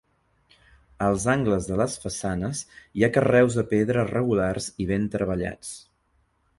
Als angles de les façanes hi ha carreus de pedra regulars i ben treballats.